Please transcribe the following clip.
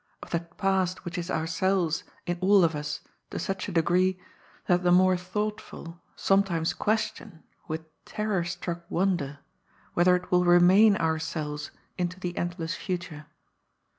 Of that past which is ourselves in all of us to such a degree that the more thoughtful sometimes question with terror struck wonder whether it will remain ourselves into the endless future